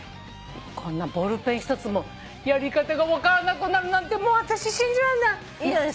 こんなボールペン一つもやり方が分からなくなるなんてもう私信じられない。